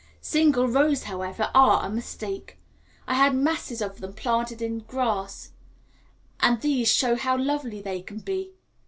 Single rows, however, are a mistake; I had masses of them planted in the grass, and these show how lovely they can be.